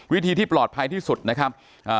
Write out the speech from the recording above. วิธีที่ปลอดภัยที่สุดนะครับ